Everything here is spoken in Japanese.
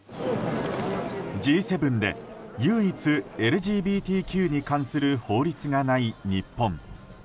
Ｇ７で唯一ＬＧＢＴＱに関する法律がない日本。